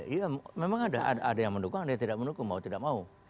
iya memang ada yang mendukung ada yang tidak mendukung mau tidak mau